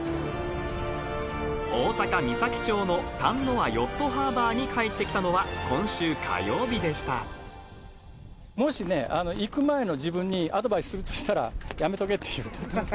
大阪・岬町の淡輪ヨットハーバーに帰ってきたのは今週火曜日でしもし行く前の自分にアドバイスするとしたら、やめとけって言うと思う。